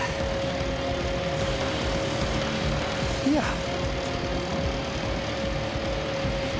いや。